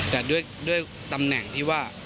แต่ด้วยตำแหน่งที่ว่า